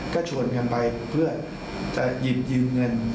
ก็ชวนกันไปเพื่อจะยินเงิน